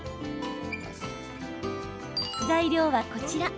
材料は、こちら。